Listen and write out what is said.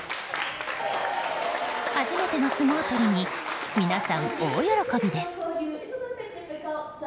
初めての相撲取りに皆さん、大喜びです。